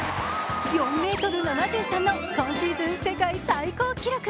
４ｍ７３の今シーズンの世界記録。